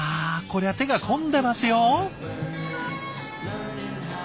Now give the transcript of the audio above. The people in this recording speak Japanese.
こりゃ手が込んでますよ。